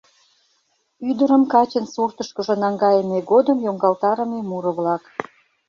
Ӱдырым качын суртышкыжо наҥгайыме годым йоҥгалтарыме муро-влак.